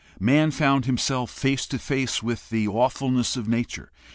Man found himself face to face with the awfulness of Nature.